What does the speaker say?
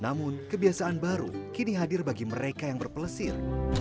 namun kebiasaan baru kini hadir bagi mereka yang berpelesir